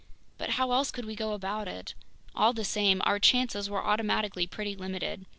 But how else could we go about it? All the same, our chances were automatically pretty limited.